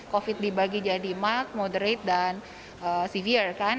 covid sembilan belas dibagi jadi mild moderate dan severe kan